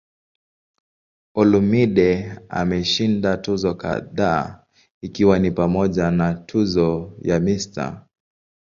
Olumide ameshinda tuzo kadhaa ikiwa ni pamoja na tuzo ya "Mr.